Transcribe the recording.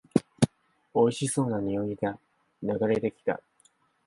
おいしそうな匂いが流れてきた